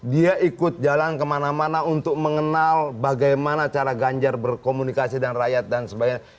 dia ikut jalan kemana mana untuk mengenal bagaimana cara ganjar berkomunikasi dengan rakyat dan sebagainya